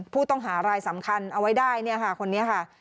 ผู้ต้องหารายสำคัญเอาไว้ได้คนนี้ค่ะ